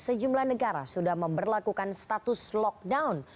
sejumlah negara sudah memperlakukan status lockdown